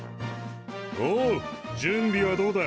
おう準備はどうだ？